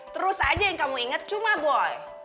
terus aja yang kamu ingat cuma boy